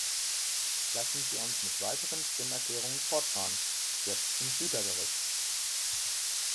Lassen Sie uns mit weiteren Stimmerklärungen fortfahren, jetzt zum Schlyter-Bericht.